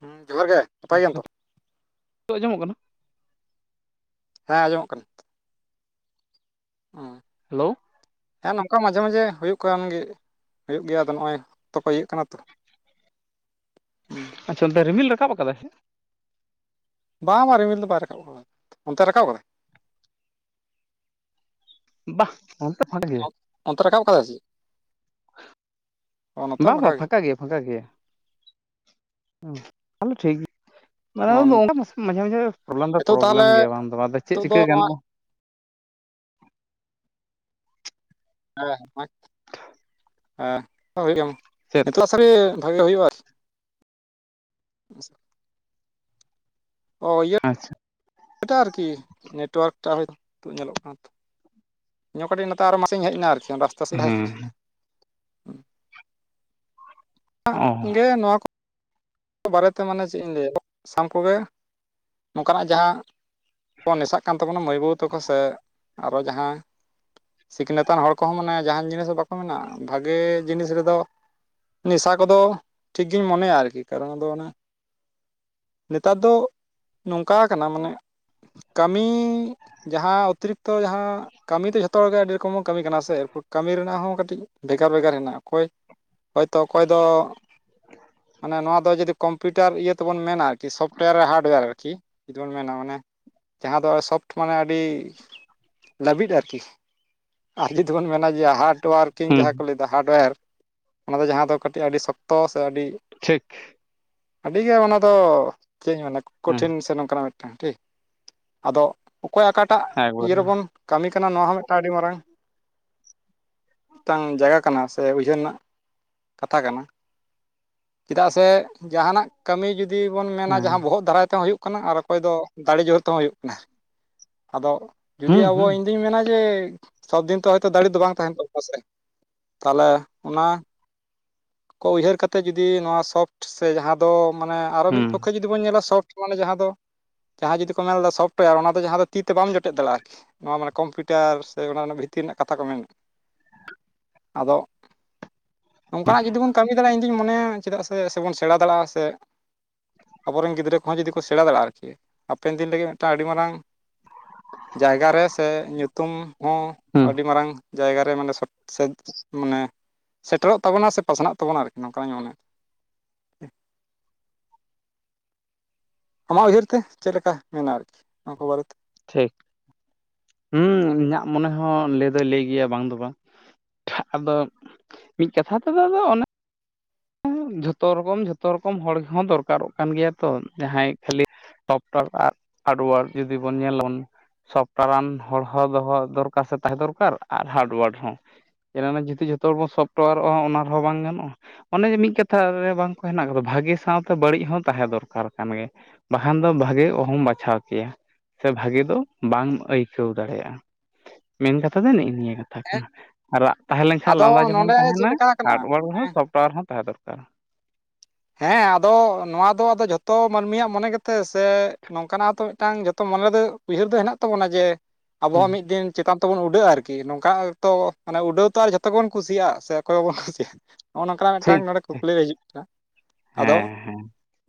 ᱦᱩᱸ ᱡᱚᱦᱟᱨ ᱜᱮ᱾ ᱱᱟᱯᱟᱭ ᱦᱩᱸ ᱜᱮᱭᱟᱢ ᱛᱚ? ᱱᱤᱛᱚᱜ ᱟᱸᱡᱚᱢᱚᱜ ᱠᱟᱱᱟ? ᱦᱮᱸ ᱟᱸᱡᱚᱢᱚᱜ ᱠᱟᱱᱟ᱾ ᱦᱮᱸ ᱦᱮᱞᱳ᱾ ᱦᱮᱸ ᱱᱚᱝᱠᱟ ᱢᱟᱡᱷᱮ ᱢᱟᱡᱷᱮ ᱦᱩᱭᱩᱜ ᱠᱟᱱ ᱜᱮ ᱦᱩᱭᱩᱜ ᱜᱮᱭᱟ ᱟᱫᱚ ᱱᱚᱜᱼᱚᱭ ᱛᱚᱠᱚ ᱤᱭᱟᱹᱭ ᱠᱟᱱᱟ ᱛᱚ ᱦᱩᱸ᱾ ᱟᱪᱪᱷᱟ ᱚᱱᱛᱮ ᱨᱤᱢᱤᱞ ᱨᱟᱠᱟᱵ ᱠᱟᱫᱟ ᱥᱮ? ᱵᱟ ᱵᱟ ᱨᱤᱢᱤᱞ ᱫᱚ ᱵᱟᱭ ᱨᱟᱠᱟᱵ ᱠᱟᱫᱟ, ᱚᱱᱛᱮ ᱨᱟᱠᱟᱵ ᱠᱟᱫᱟᱭ? ᱵᱟᱦ ᱱᱚᱛᱮ [unintelligible] ᱚᱱᱛᱮ ᱨᱟᱠᱟᱵ ᱠᱟᱫᱟ ᱥᱮᱪᱮᱫ? ᱱᱚᱛᱮ ᱵᱟᱝ ᱵᱟᱝ ᱜᱮ ᱯᱷᱟᱸᱠᱟ ᱜᱮᱭᱟ ᱯᱷᱟᱸᱠᱟ ᱜᱮᱭᱟ ᱛᱟᱦᱚᱞᱮ ᱴᱷᱤᱠ ᱚ ᱜᱮᱭᱟ᱾ ᱱᱚᱣᱟ ᱫᱚ ᱢᱟᱥᱮ ᱢᱟᱡᱷᱮ ᱢᱟᱡᱷᱮ ᱯᱨᱚᱵᱞᱮᱢ ᱫᱚᱭ ᱱᱤᱛᱚᱜ ᱯᱨᱚᱵᱞᱮᱢ ᱛᱟᱦᱚᱞᱮ ᱜᱮᱭᱟ ᱵᱟᱝ ᱫᱚ ᱵᱟᱝ ᱟᱫᱚ ᱪᱮᱫ ᱱᱤᱛᱚᱜ ᱫᱚ ᱪᱤᱠᱟᱹ ᱱᱚᱣᱟ ᱜᱟᱱᱚᱜᱼᱟ? [unintelligible] ᱪᱮᱫ ᱱᱤᱛᱚᱜ ᱥᱟᱹᱨᱤ ᱵᱷᱟᱜᱮ ᱦᱩᱭᱩᱜᱼᱟ ᱟᱨ [inaudible] ᱚ ᱤᱭᱟᱹ ᱟᱪᱪᱷᱟ ᱟᱨᱠᱤ ᱱᱮᱴᱣᱟᱨᱠ ᱴᱟᱜ ᱧᱤᱛᱩᱜ ᱧᱮᱞᱚᱜ ᱠᱟᱱᱟ ᱛᱚ ᱤᱧ ᱦᱚᱸ ᱠᱟᱹᱴᱤᱡ ᱱᱚᱛᱮ ᱟᱨ ᱦᱚᱸ ᱢᱟᱴᱷ ᱥᱮᱡ ᱤᱧ ᱦᱮᱡ ᱮᱱᱟ ᱟᱨᱠᱤ ᱨᱟᱥᱛᱟ ᱥᱮᱡ ᱛᱟᱦᱮᱸ ᱦᱮᱸ ᱠᱟᱱᱟ᱾ ᱚ [unintelligible] ᱜᱮ ᱱᱚᱣᱟ ᱠᱚ ᱱᱚᱣᱟ ᱵᱟᱦᱨᱮ ᱛᱮ ᱢᱟᱱᱮ ᱪᱮᱫ ᱤᱧ ᱞᱟᱹᱭᱟ ᱥᱟᱱᱟᱢ ᱠᱚᱜᱮ ᱱᱚᱝᱠᱟᱱᱟᱜ ᱡᱟᱦᱟᱸ ᱠᱚ ᱱᱮᱥᱟᱜ ᱠᱟᱱ ᱛᱟᱵᱚᱱᱟ ᱢᱟᱹᱭ ᱵᱟᱹᱵᱩ ᱛᱟᱠᱚ ᱥᱮ ᱟᱨᱚ ᱡᱟᱦᱟᱸ ᱥᱤᱠᱷᱱᱟᱹᱛᱟᱱ ᱦᱚᱲ ᱠᱚᱦᱚᱸ ᱢᱟᱱᱮ ᱡᱟᱦᱟᱸᱱ ᱡᱤᱱᱤᱥ ᱵᱟᱠᱚ ᱢᱮᱱᱟ ᱵᱷᱟᱜᱮ ᱡᱤᱱᱤᱥ ᱨᱮᱫᱚ ᱱᱮᱥᱟ ᱠᱚᱫᱚ ᱴᱷᱤᱠ ᱜᱤᱧ ᱢᱚᱱᱮᱭᱟ ᱟᱨᱠᱤ ᱠᱟᱨᱚᱱ ᱫᱚ ᱚᱱᱟ ᱱᱮᱛᱟᱨ ᱫᱚ ᱱᱚᱝᱠᱟ ᱠᱟᱱᱟ ᱢᱟᱱᱮ ᱠᱟᱹᱢᱤ ᱡᱟᱦᱟᱸ ᱚᱛᱤᱨᱤᱠᱛᱚ ᱡᱟᱦᱟᱸ ᱠᱟᱹᱢᱤ ᱫᱚ ᱡᱷᱚᱛᱚ ᱦᱚᱲ ᱜᱮ ᱟᱹᱰᱤ ᱨᱚᱠᱚᱢ ᱵᱚ ᱠᱟᱹᱢᱤ ᱠᱟᱱᱟ ᱥᱮ ᱮᱨᱯᱚᱨ ᱠᱟᱹᱢᱤ ᱨᱮᱱᱟᱜ ᱦᱚᱸ ᱠᱟᱹᱴᱤᱡ ᱵᱷᱮᱜᱟᱨ ᱵᱷᱮᱜᱟᱨ ᱦᱮᱸᱱᱟᱜᱼᱟ ᱚᱠᱚᱭ ᱦᱚᱭ ᱛᱚ ᱚᱠᱚᱭ ᱫᱚ ᱢᱟᱱᱮ ᱱᱚᱣᱟ ᱫᱚ ᱡᱩᱫᱤ ᱠᱚᱢᱯᱤᱭᱩᱴᱟᱨ ᱤᱭᱟᱹ ᱛᱮᱵᱚᱱ ᱢᱮᱱᱟ ᱟᱨᱠᱤ ᱥᱚᱯᱴᱚᱭᱟᱨ ᱦᱟᱨᱰᱚᱭᱟᱨ ᱟᱨᱠᱤ᱾ ᱡᱩᱫᱤ ᱵᱚᱱ ᱢᱮᱱᱟ ᱚᱱᱮ ᱡᱟᱦᱟᱸ ᱫᱚ ᱥᱚᱯᱷᱴ ᱢᱟᱱᱮ ᱟᱹᱰᱤ ᱞᱟᱹᱵᱤᱫ ᱟᱨᱠᱤ, ᱟᱨ ᱡᱩᱫᱤ ᱵᱚᱱ ᱢᱮᱱᱟ ᱡᱮ ᱦᱟᱨᱰ ᱚᱣᱟᱨᱠᱤᱝ ᱦᱩᱸ ᱡᱟᱦᱟᱸ ᱠᱚ ᱞᱟᱹᱭ ᱦᱟᱨᱰᱚᱭᱮᱨ ᱚᱱᱟ ᱫᱚ ᱡᱟᱦᱟᱸ ᱫᱚ ᱠᱟᱹᱴᱤᱡ ᱟᱹᱰᱤ ᱥᱚᱠᱛᱚ ᱥᱮ ᱟᱹᱰᱤ ᱴᱷᱤᱠ᱾ ᱟᱹᱰᱤᱜᱮ ᱚᱱᱟ ᱫᱚ ᱪᱮᱫ ᱤᱧ ᱢᱮᱱᱟ ᱦᱮᱸ ᱠᱚᱴᱷᱤᱱ ᱥᱮ ᱱᱚᱝᱠᱟᱱᱟᱜ ᱢᱤᱫᱴᱟᱱ ᱴᱷᱤᱠ᱾ ᱟᱫᱚ ᱚᱠᱚᱭ ᱚᱠᱟᱴᱟᱜ ᱤᱭᱟᱹ ᱮᱠᱵᱟᱨᱮ ᱨᱮᱵᱚᱱ ᱠᱟᱹᱢᱤ ᱠᱟᱱᱟ ᱱᱚᱣᱟ ᱦᱚᱸ ᱢᱤᱫᱴᱟᱱ ᱟᱹᱰᱤ ᱢᱟᱨᱟᱝ ᱢᱤᱫᱴᱟᱝ ᱡᱟᱭᱜᱟ ᱠᱟᱱᱟ ᱥᱮ ᱩᱭᱦᱟᱹᱨ ᱨᱮᱱᱟᱜ ᱠᱟᱛᱷᱟ ᱠᱟᱱᱟ᱾ ᱪᱮᱫᱟᱜ ᱥᱮ ᱡᱟᱦᱟᱸᱱᱟᱜ ᱠᱟᱹᱢᱤ ᱡᱩᱫᱤ ᱵᱚᱱ ᱢᱮᱱᱟ ᱦᱮᱸ ᱡᱟᱦᱟᱸ ᱵᱚᱦᱚᱜ ᱫᱟᱨᱟᱭ ᱛᱮᱦᱚᱸ ᱦᱩᱭᱩᱜ ᱠᱟᱱᱟ ᱟᱨ ᱚᱠᱚᱭ ᱫᱚ ᱫᱟᱲᱮ ᱡᱳᱨ ᱛᱮᱦᱚᱸ ᱦᱩᱭᱩᱜ ᱠᱟᱱᱟ, ᱟᱫᱚ ᱡᱩᱫᱤ ᱦᱩᱸ ᱟᱵᱚ ᱦᱩᱸ ᱤᱧ ᱫᱩᱧ ᱢᱮᱱᱟ ᱡᱮ ᱥᱚᱵᱫᱤᱱ ᱛᱚ ᱦᱚᱭᱛᱚ ᱫᱟᱲᱮ ᱫᱚ ᱵᱟᱝ ᱛᱟᱦᱮᱱ ᱛᱟᱵᱚᱱᱟ ᱥᱮ? ᱛᱟᱦᱚᱞᱮ ᱚᱱᱟ ᱠᱚ ᱩᱭᱦᱟᱹᱨ ᱠᱟᱛᱮ ᱡᱩᱫᱤ ᱱᱚᱣᱟ ᱥᱚᱯᱷᱴ ᱥᱮ ᱡᱟᱦᱟᱸ ᱫᱚ ᱢᱟᱱᱮ ᱟᱨᱚ ᱢᱤᱫ ᱦᱩᱸ ᱯᱚᱠᱠᱷᱮ ᱡᱩ ᱫᱤ ᱵᱚᱱ ᱧᱮᱞᱟ ᱥᱚᱴ ᱢᱟᱱᱮ ᱡᱟᱦᱟᱸ ᱫᱚ ᱡᱟᱦᱟᱸ ᱡᱩᱫᱤ ᱠᱚ ᱢᱮᱱ ᱮᱫᱟ ᱥᱚᱯᱷᱴᱟᱨ ᱚᱱᱟ ᱫᱚ ᱡᱟᱦᱟ ᱫᱚ ᱛᱤ ᱛᱮ ᱵᱟᱢ ᱡᱚᱴᱮᱫ ᱫᱟᱲᱮᱭᱟᱜᱼᱟ ᱟᱨᱠᱤ ᱱᱚᱣᱟ ᱢᱟᱱᱮ ᱠᱚᱢᱯᱤᱭᱩᱴᱟᱨ ᱥᱮ ᱚᱱᱟ ᱵᱷᱤᱛᱤᱨ ᱨᱮᱱᱟᱜ ᱠᱟᱛᱷᱟ ᱠᱚ ᱢᱮᱱᱮᱜ ᱟᱫᱚ ᱠᱟᱱᱟᱜ ᱡᱩᱫᱤ ᱵᱚᱱ ᱠᱟᱹᱢᱤ ᱫᱟᱲᱮᱭᱟᱜᱼᱟ ᱤᱧᱫᱩᱧ ᱢᱚᱱᱮᱭᱟ ᱪᱮᱫᱟᱜ ᱥᱮᱵᱚᱱ ᱥᱮᱬᱟ ᱫᱟᱲᱮᱭᱟᱜᱼᱟ ᱥᱮ ᱟᱵᱚᱨᱮᱱ ᱜᱤᱫᱽᱨᱟᱹ ᱠᱚᱦᱚᱸ ᱡᱩᱫᱤ ᱥᱮᱬᱟ ᱫᱟᱲᱮᱭᱟᱜᱼᱟ ᱟᱨᱠᱤ, ᱦᱟᱯᱮᱱ ᱫᱤᱱ ᱞᱟᱹᱜᱤᱫ ᱢᱤᱫᱴᱟᱝ ᱟᱹᱰᱤ ᱢᱟᱨᱟᱝ ᱡᱟᱭᱜᱟ ᱨᱮ ᱥᱮ ᱧᱩᱛᱩᱢ ᱦᱚᱸ ᱦᱩᱸ ᱟᱹᱰᱤ ᱢᱟᱨᱟᱝ ᱡᱟᱭᱜᱟ ᱨᱮ ᱢᱟᱱᱮ [unintelligible] ᱢᱟᱱᱮ ᱥᱮᱴᱮᱨᱚᱜ ᱛᱟᱵᱚᱱᱟ ᱥᱮ ᱯᱟᱥᱱᱟᱜ ᱛᱟᱵᱚᱱᱟ ᱟᱨᱠᱤ ᱱᱚᱝᱠᱟᱧ ᱢᱚᱱᱮ ᱟᱢᱟᱜ ᱩᱭᱦᱟᱹᱨ ᱛᱮ ᱪᱮᱫ ᱞᱮᱠᱟ ᱢᱮᱱᱟ ᱟᱨᱠᱤ ᱱᱚᱣᱟ ᱠᱚ ᱵᱟᱨᱮ ᱛᱮ? ᱴᱷᱤᱠ ᱦᱩᱸ ᱤᱧᱟᱹᱜ ᱢᱚᱱᱮ ᱦᱚᱸ ᱞᱟᱹᱭ ᱫᱚᱭ ᱞᱟᱹᱭ ᱜᱮᱭᱟ ᱵᱟᱝ ᱫᱚ ᱵᱟᱝ᱾ ᱟᱫᱚ, ᱢᱤᱫ ᱠᱟᱛᱷᱟ ᱛᱮᱫᱚ, ᱟᱫᱚ ᱚᱱᱮ ᱡᱷᱚᱛᱚ ᱨᱚᱠᱚᱢ, ᱡᱷᱚᱛᱚ ᱨᱚᱠᱚᱢ ᱦᱚᱲ ᱦᱚᱸ, ᱫᱚᱨᱠᱟᱨᱚᱜ ᱠᱟᱱ, ᱜᱮᱭᱟ ᱛᱚ ᱾ ᱡᱟᱦᱟᱸᱭ ᱠᱷᱟᱹᱞᱤ ᱥᱚᱯᱴᱟᱨ ᱟᱨ ᱦᱟᱨᱰᱳᱟᱨ ᱡᱩᱫᱤ ᱵᱚᱱ, ᱧᱮᱞᱟᱱ ᱥᱚᱯᱴᱟᱨᱟᱱ ᱦᱚᱲ ᱦᱚᱸ, ᱫᱚᱦᱚ ᱫᱚᱨᱠᱟᱨ, ᱥᱮ, ᱛᱟᱦᱮᱸ ᱫᱚᱨᱠᱟᱨ, ᱟᱨ ᱦᱟᱨᱰᱣᱟᱨ ᱦᱚᱸ, ᱮᱨᱟ ᱢᱮ ᱡᱮᱛᱤ, ᱡᱚᱛᱚ ᱦᱚᱲ ᱵᱚᱱ, ᱥᱚᱯᱴᱚᱭᱟᱨᱚᱜᱼᱟ ᱚᱱᱟ ᱨᱮᱦᱚᱸ, ᱵᱟᱝ ᱜᱟᱱᱚᱜᱼᱟ ᱾ ᱚᱱᱮ, ᱡᱮ ᱢᱤᱫ ᱠᱟᱛᱷᱟ ᱨᱮ, ᱵᱟᱝ ᱠᱚ ᱦᱮᱱᱟᱜ ᱟᱠᱟᱫᱟ, ᱵᱷᱟᱹᱜᱤ ᱥᱟᱶᱛᱮ ᱵᱟᱹᱲᱤᱡ ᱦᱚᱸ, ᱛᱟᱦᱮᱸ ᱫᱚᱨᱠᱟᱨ ᱠᱟᱱ ᱜᱮ, ᱵᱟᱠᱷᱟᱱ ᱫᱚ, ᱵᱷᱟᱜᱮ ᱚᱦᱚᱢ, ᱵᱟᱪᱷᱟᱣ ᱠᱮᱭᱟ ᱾ ᱥᱮ, ᱵᱷᱟᱜᱤ ᱫᱚ ᱵᱟᱢ ᱟᱹᱭᱠᱟᱹᱣ ᱫᱟᱲᱮᱭᱟᱜᱼᱟ ᱾ ᱢᱮᱱ ᱠᱟᱛᱷᱟ ᱫᱚ, ᱱᱮᱜᱼ ᱱᱤᱭᱟᱹ ᱜᱮ ᱾ ᱦᱮᱸ ᱛᱷᱟᱠᱱᱟ, [inaudible] ᱟᱨ ᱨᱟᱜ ᱛᱟᱦᱮᱸ ᱞᱮᱱᱠᱷᱟᱱ, ᱞᱟᱸᱫᱟ ᱟᱫᱚ ᱡᱮᱢᱚᱱ ᱱᱚᱰᱮ ᱪᱮᱫ ᱛᱟᱦᱮᱱᱟ, ᱞᱮᱠᱟ ᱠᱟᱱᱟ ᱦᱟᱨᱰᱣᱟᱨ ᱦᱚᱸ, ᱥᱚᱯᱴᱣᱟᱨ ᱦᱚᱸ, ᱛᱟᱦᱮᱸ ᱫᱚᱨᱠᱟᱨ ᱦᱮᱸ, ᱟᱫᱚ, ᱱᱚᱣᱟ ᱫᱚ ᱟᱫᱚ, ᱡᱷᱚᱛᱚ ᱢᱟᱹᱱᱢᱤᱭᱟᱜ ᱢᱚᱱᱮ ᱜᱮ, ᱛᱮ ᱥᱮ, ᱱᱚᱝᱠᱟᱱᱟᱜ ᱛᱚ, ᱢᱤᱫᱴᱟᱝ ᱡᱚᱛᱚ, ᱢᱚᱱᱮ ᱫᱚ ᱩᱭᱦᱟᱹᱨ ᱫᱚ, ᱦᱮᱱᱟᱜ ᱛᱟᱵᱚᱱᱟ, ᱡᱮ, ᱟᱵᱚ ᱦᱮᱸ ᱫᱚ, ᱢᱤᱫ ᱫᱤᱱ ᱪᱮᱛᱟᱱ ᱛᱮᱵᱚᱱ ᱩᱰᱟᱹᱜᱼᱟ ᱟᱨᱠᱤ, ᱱᱚᱝᱠᱟ ᱛᱚ, ᱢᱟᱱᱮ ᱩᱰᱟᱹᱣ ᱛᱚ, ᱟᱨ ᱡᱚᱛᱚ ᱜᱮᱵᱚᱱ, ᱠᱩᱥᱤᱭᱟᱜᱼᱟ ᱥᱮ, ᱚᱠᱚᱭ ᱵᱟᱵᱚᱱ ᱦᱚᱸᱻᱦᱦᱦ ᱠᱩᱥᱤᱭᱟᱜᱼᱟ ᱾ ᱱᱚᱜᱼᱚ, ᱱᱚᱝᱠᱟᱱᱟᱜ ᱴᱷᱤᱠ ᱢᱤᱫᱴᱟᱝ ᱱᱚᱰᱮ, ᱠᱩᱠᱞᱤ ᱨᱮ, ᱦᱤᱡᱩᱜ ᱠᱟᱱᱟ, ᱟᱫᱚ, ᱦᱮᱸ ᱦᱮᱸ